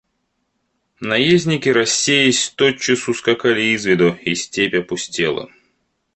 Наездники, рассеясь, тотчас ускакали из виду, и степь опустела.